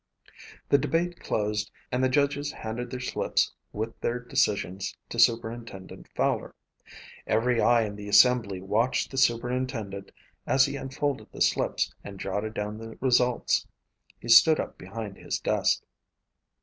The debate closed and the judges handed their slips with their decisions to Superintendent Fowler. Every eye in the assembly watched the superintendent as he unfolded the slips and jotted down the results. He stood up behind his desk.